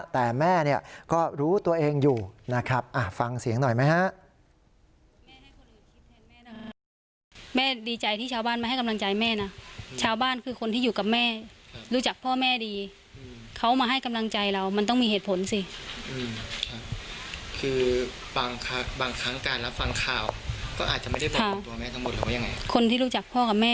แต่แม่เนี่ยก็รู้ตัวเองอยู่นะครับฟังเสียงหน่อยไหมฮะ